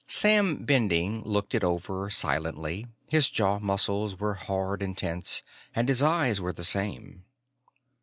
Sam Bending looked it over silently; his jaw muscles were hard and tense, and his eyes were the same.